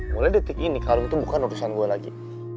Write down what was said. mulai detik ini kalung itu bukan urusan gue lagi